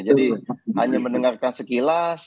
jadi hanya mendengarkan sekilas